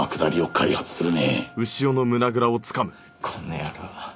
この野郎。